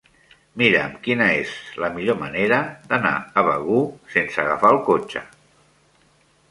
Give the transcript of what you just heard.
Mira'm quina és la millor manera d'anar a Begur sense agafar el cotxe.